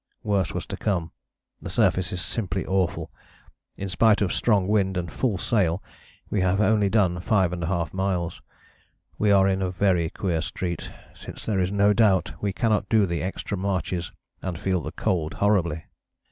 Worse was to come the surface is simply awful. In spite of strong wind and full sail we have only done 5½ miles. We are in a very queer street, since there is no doubt we cannot do the extra marches and feel the cold horribly."